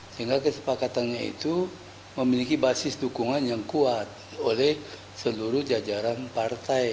sehingga kesepakatannya itu memiliki basis dukungan yang kuat oleh seluruh jajaran partai